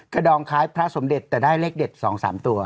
ดองคล้ายพระสมเด็จแต่ได้เลขเด็ด๒๓ตัว